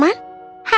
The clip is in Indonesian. aku juga berharap